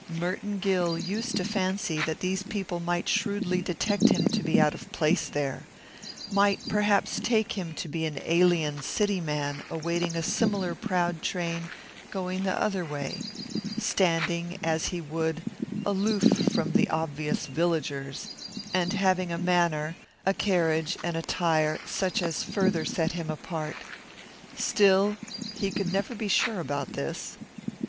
Merton Gill used to fancy that these people might shrewdly detect him to be out of place there might perhaps take him to be an alien city man awaiting a similar proud train going the other way, standing, as he would, aloof from the obvious villagers, and having a manner, a carriage, an attire, such as further set him apart. Still, he could never be sure about this.